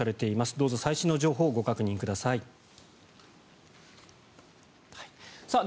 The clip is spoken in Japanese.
どうぞ最新の情報をご確認ください。